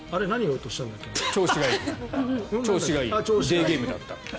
デーゲームだった。